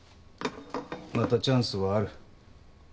またチャンスはある。